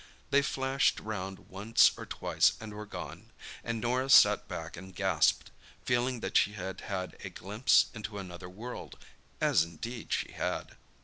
They flashed round once or twice and were gone, and Norah sat back and gasped, feeling that she had had a glimpse into another world—as indeed she had.